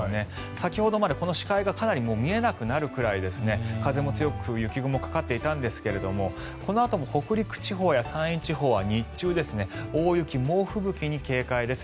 先ほどまで、この視界がかなり見えなくなるくらい風も強く雪雲かかっていたんですがこのあとも北陸地方や山陰地方は日中、大雪、猛吹雪に警戒です。